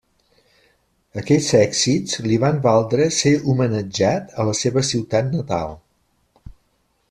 Aquests èxits li van valdre ser homenatjat a la seva ciutat natal.